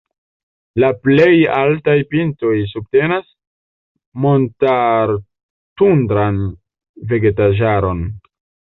La plej altaj pintoj subtenas montar-tundran vegetaĵaron.